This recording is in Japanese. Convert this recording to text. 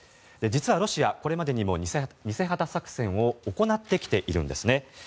実はロシアはこれまでにも偽旗作戦を行ってきているんですね。